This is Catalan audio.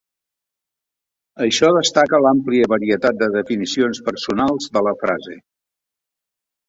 Això destaca l'àmplia varietat de definicions personals de la frase.